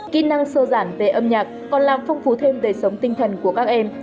kỹ năng sơ giản về âm nhạc còn làm phong phú thêm về sống tinh thần của các em